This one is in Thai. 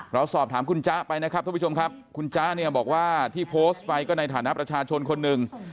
เราสอบถามคุณจ๊ะไปนะครับท่านผู้ชมครับคุณจ๊ะเนี่ยบอกว่าที่โพสต์ไปก็ในฐานะประชาชนคนหนึ่ง